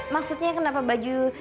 maksudnya kenapa baju